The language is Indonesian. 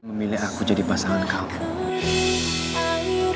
memilih aku jadi pasangan kalian